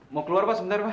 mau keluar pak sebentar pak